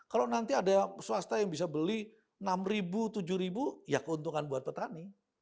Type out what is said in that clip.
kalau nanti ada swasta yang bisa beli enam tujuh ribu ya keuntungan buat petani